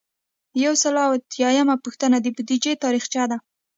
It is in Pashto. یو سل او اتیایمه پوښتنه د بودیجې تاریخچه ده.